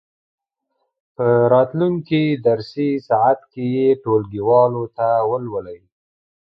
په راتلونکې درسي ساعت کې یې ټولګیوالو ته ولولئ.